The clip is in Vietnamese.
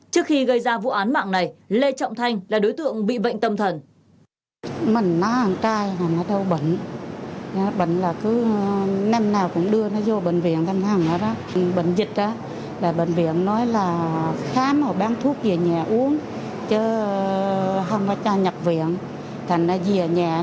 trước khi gây ra vụ án mạng này lê trọng thanh là đối tượng bị bệnh tâm thần